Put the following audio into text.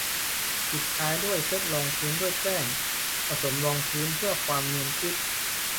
ปิดท้ายด้วยการเซตรองพื้นด้วยแป้งผสมรองพื้นเพื่อความเนียนกริบ